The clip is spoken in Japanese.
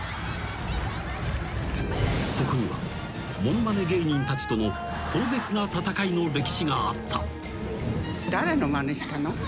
［そこにはものまね芸人たちとの壮絶な戦いの歴史があった］